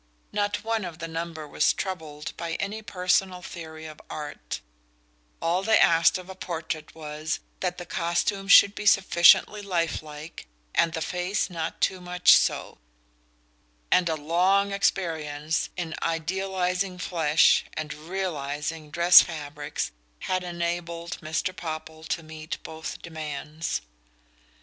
Not one the number was troubled by any personal theory of art: all they asked of a portrait was that the costume should be sufficiently "life like," and the face not too much so; and a long experience in idealizing flesh and realizing dress fabrics had enabled Mr. Popple to meet both demands.